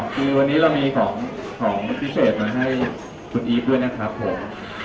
คือวันนี้เรามีของพิเศษมาให้คุณอีฟด้วยนะครับผม